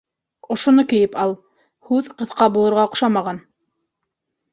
Ошоно кейеп ал, һүҙ ҡыҫҡа булырға оҡшамаған.